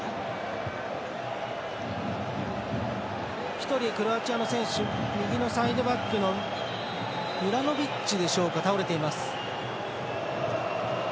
一人、クロアチアの選手右のサイドバックのユラノビッチでしょうか倒れています。